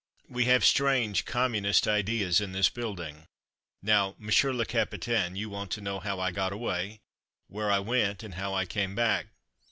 We have strange communist ideas in this building. Now "Monsieur Le Capitaine" you want to know how I got away, where I went, and how I came back.